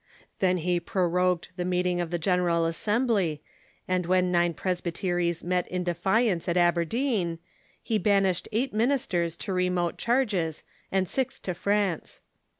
Then he prorogued the meeting of the General Assembly, and when nine presbyteries met in defiance at Aberdeen, he banished eight ministers to remote charges and six to France.